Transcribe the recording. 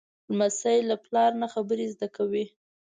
لمسی له پلار نه خبرې زده کوي.